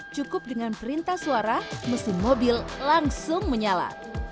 cukup dengan perintah suara mesin mobil langsung menyala